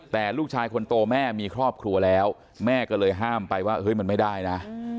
แต่ลูกชายคนโตแม่มีครอบครัวแล้วแม่ก็เลยห้ามไปว่าเฮ้ยมันไม่ได้นะ